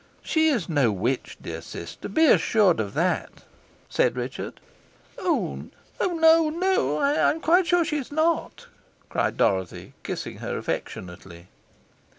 "She is no witch, dear sister, be assured of that!" said Richard. "Oh, no no no! I am quite sure she is not," cried Dorothy, kissing her affectionately.